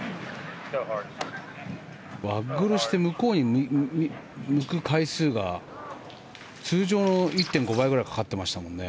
向こうに向く回数が通常の１．５倍くらいかかってましたもんね。